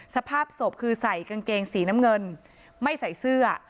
สภาพศพคือใส่กางเกงสีน้ำเงินไม่ใส่เสื้อ